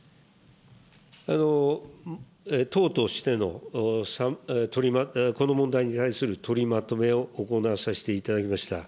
党としてのこの問題に対する取りまとめを行わさせていただきました。